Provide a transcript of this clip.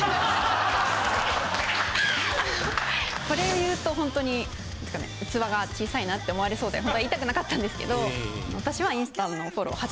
これを言うとホントに器が小さいなって思われそうでホントは言いたくなかったんですけど私は。